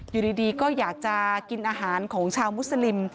อยู่ดีก็อยากจะกินอาหารของชาวมุสลิม